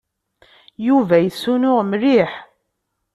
Yuba yessunuɣ mliḥ.